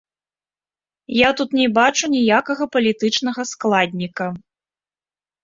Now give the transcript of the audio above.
Я тут не бачу ніякага палітычнага складніка.